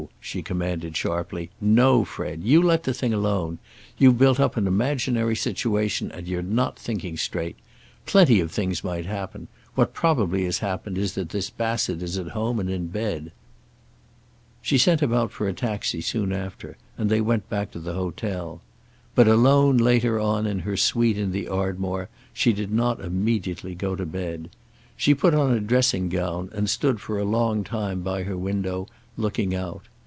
she commanded sharply. "No, Fred. You let the thing alone. You've built up an imaginary situation, and you're not thinking straight. Plenty of things might happen. What probably has happened is that this Bassett is at home and in bed." She sent him out for a taxi soon after, and they went back to the hotel. But, alone later on in her suite in the Ardmore she did not immediately go to bed. She put on a dressing gown and stood for a long time by her window, looking out.